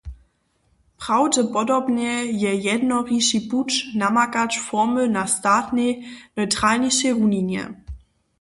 Prawdźepodobnje je jednoriši puć, namakać formy na statnej, neutralnišej runinje.